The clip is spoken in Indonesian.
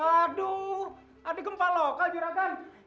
aduh ada gempa lokal juragan